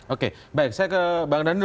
oke baik saya ke bang daniel